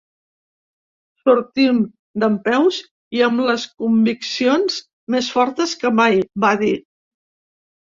“Sortim dempeus i amb les conviccions més fortes que mai”, va dir.